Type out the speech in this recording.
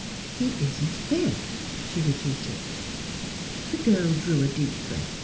'^ He isn't dead," she repeated. The girl drew a deep breath.